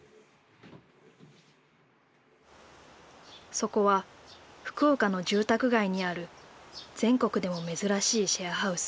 そこは福岡の住宅街にある全国でも珍しいシェアハウス。